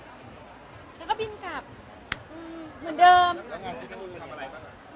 แล้วที่นู่นมีทำอะไรบ้าง